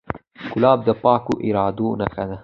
ګلاب د پاکو ارادو نښه ده.